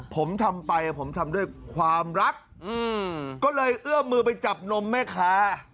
ผมทำไปผมทำด้วยความรักก็เลยเอื้อมมือไปจับนมแม่ค้า